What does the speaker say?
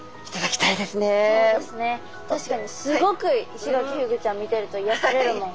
確かにすごくイシガキフグちゃん見てると癒やされるもん。